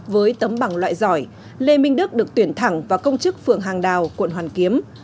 với tấm bằng loại giỏi lê minh đức được tuyển thẳng vào công chức phường hàng đào quận hoàn kiếm